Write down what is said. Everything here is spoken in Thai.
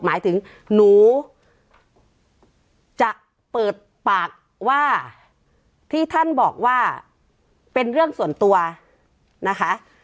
หมายถึงหนูจะเปิดปากว่าที่ท่านบอกว่าเป็นเรื่องส่วนตัวนะคะ